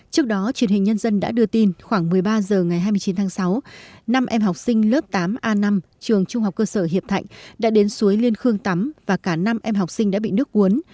trước đó truyền hình nhân dân đã đưa tin khoảng một mươi ba h ngày hai mươi chín tháng sáu năm em học sinh lớp tám a năm trường trung học cơ sở hiệp thạnh đã đến suối liên khương tắm và cả năm em học sinh đã bị nước cuốn